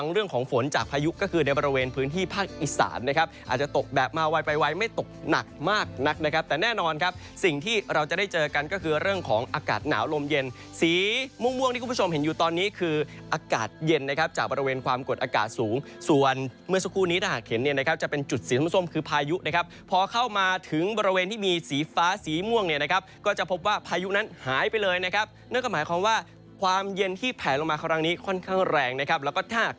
เรื่องของฝนจากพายุก็คือในบริเวณพื้นที่ภาคอิสานนะครับอาจจะตกแบบมาไวไปไวไม่ตกหนักมากนักนะครับแต่แน่นอนครับสิ่งที่เราจะได้เจอกันก็คือเรื่องของอากาศหนาวลมเย็นสีม่วงม่วงที่คุณผู้ชมเห็นอยู่ตอนนี้คืออากาศเย็นนะครับจากบริเวณความกดอากาศสูงส่วนเมื่อสักครู่นี้ถ้าหากเห็นเนี้ยนะครับจะ